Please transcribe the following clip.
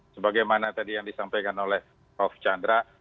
sebagaimana tadi yang disampaikan oleh prof chandra